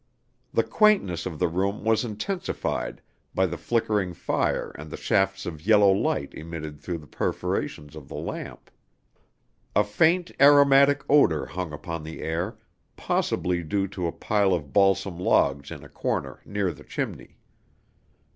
The quaintness of the room was intensified by the flickering fire and the shafts of yellow light emitted through the perforations of the lamp. A faint aromatic odor hung upon the air, possibly due to a pile of balsam logs in a corner near the chimney.